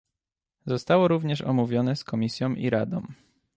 Zostało również omówione z Komisją i Radą